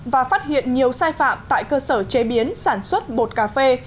và phát hiện nhiều sai phạm tại cơ sở chế biến sản xuất bột cà phê